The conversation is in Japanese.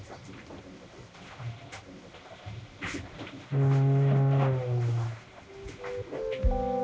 うん。